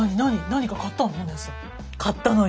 何か買ったの？